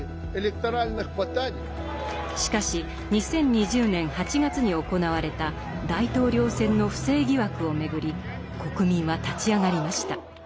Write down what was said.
しかし２０２０年８月に行われた大統領選の不正疑惑をめぐり国民は立ち上がりました。